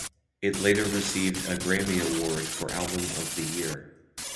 It later received a Grammy Award for Album of the Year.